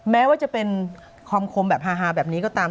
แม้ว่าจะเป็นคอมคมแบบฮาแบบนี้ก็ตาม